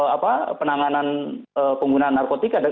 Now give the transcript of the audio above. apa penanganan penggunaan narkotika